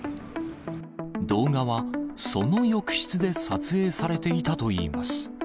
動画は、その浴室で撮影されていたといいます。